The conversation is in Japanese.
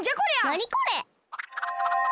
なにこれ？